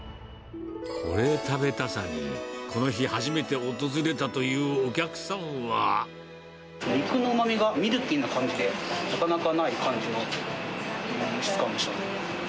これ食べたさに、この日初めて訪肉のうまみがミルキーな感じで、なかなかない感じの質感でしたね。